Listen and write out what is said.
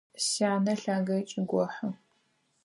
Сянэ лъагэ ыкӏи гохьы.